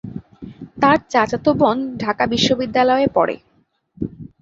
তার চাচাতো বোন ঢাকা বিশ্ববিদ্যালয়ে পড়ে।